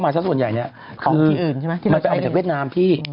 มันจากเวียดนาม